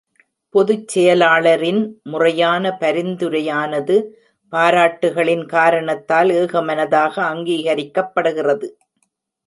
பொதுச்செயலாளரின் முறையான பரிந்துரையானது, பாராட்டுகளின் காரணத்தால் ஏகமனதாக அங்கீகரிக்கப்படுகிறது.